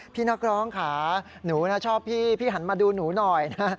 พี่นักร้องค่ะหนูชอบพี่พี่หันมาดูหนูหน่อยนะ